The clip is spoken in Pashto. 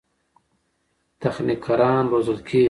تخنیکران روزل کېږي.